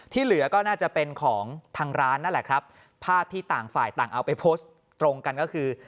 เหลือก็น่าจะเป็นของทางร้านนั่นแหละครับภาพที่ต่างฝ่ายต่างเอาไปโพสต์ตรงกันก็คือ